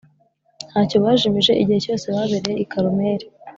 nta cyo bajimije igihe cyose babereye i Karumeli,